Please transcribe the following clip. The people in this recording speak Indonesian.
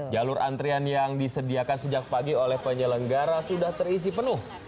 jalur antrian yang disediakan sejak pagi oleh penyelenggara sudah terisi penuh